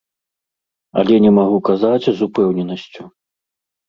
Але не магу казаць з упэўненасцю.